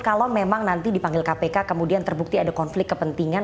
kalau memang nanti dipanggil kpk kemudian terbukti ada konflik kepentingan